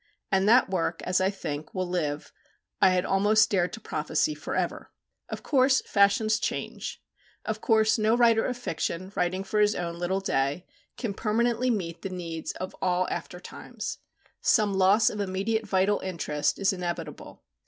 And that work, as I think, will live, I had almost dared to prophesy for ever. Of course fashions change. Of course no writer of fiction, writing for his own little day, can permanently meet the needs of all after times. Some loss of immediate vital interest is inevitable.